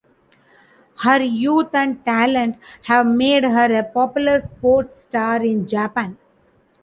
Her youth and talent have made her a popular sports star in Japan.